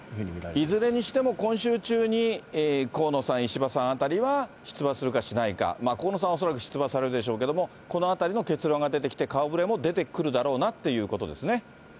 いずれにしても今週中に、河野さん、石破さんあたりは出馬するかしないか、河野さんは恐らく出馬されるでしょうけれども、このあたりの結論が出てきて、顔ぶれも出てくるだろうなということですね。